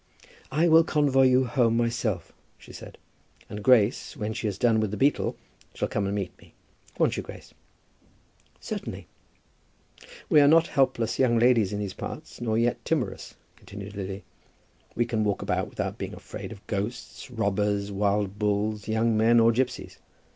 "I will convoy you home myself," she said, "and Grace, when she has done with the beetle, shall come and meet me. Won't you, Grace?" "Certainly." "We are not helpless young ladies in these parts, nor yet timorous," continued Lily. "We can walk about without being afraid of ghosts, robbers, wild bulls, young men, or gipsies.